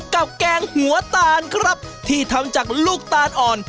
แกงหัวตาลครับที่ทำจากลูกตาลอ่อน